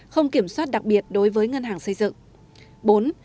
không kiểm soát đặc biệt đối với ngân hàng xây dựng